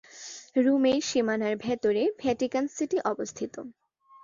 রোমের সীমানার ভেতরে ভ্যাটিকান সিটি অবস্থিত।